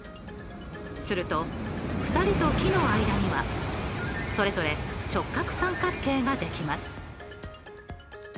すると２人と木の間にはそれぞれ直角三角形ができます。